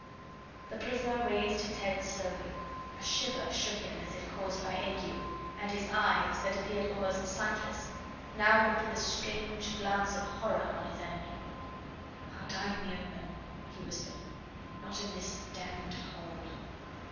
The prisoner raised his head slowly, a shiver shook him as if caused by ague, and his eyes, that appeared almost sightless, now looked with a strange glance of horror on his enemy. "I'll die in the open," he whispered, "not in this d d hole."